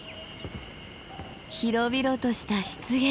広々とした湿原！